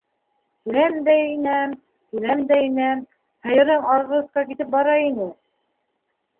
Киләм дә инәм, киләм дә инәм... һыйырың арғы осҡа китеп бара ине.